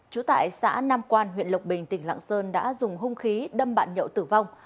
trú tại xã nam quan huyện lộc bình tỉnh lạng sơn đã dùng hung khí đâm bạn nhậu tử vong